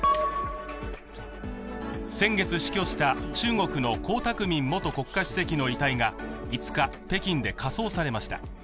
先月、死去した中国の江沢民元国家主席の遺体が５日、北京で火葬されました。